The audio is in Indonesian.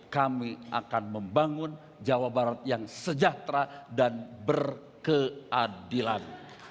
kami akan membangun jawa barat yang sejahtera dan berkeadilan